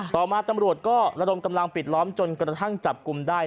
ต่อมาตำรวจก็ระดมกำลังปิดล้อมจนกระทั่งจับกลุ่มได้